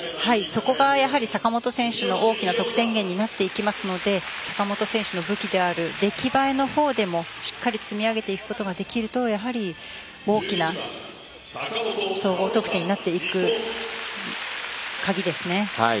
そこが坂本選手の大きな得点源になっていきますので坂本選手の武器である出来栄えの方でもしっかり積み上げていくことができればやはり大きな総合得点になっていく鍵ですね。